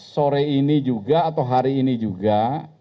sore ini juga atau hari ini juga